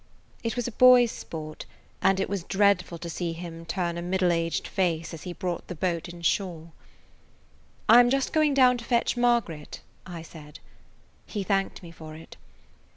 It was a boy's sport, and it was dreadful to see him turn a middle aged face as he brought the boat inshore. "I 'm just going down to fetch Margaret," I said. He thanked me for it.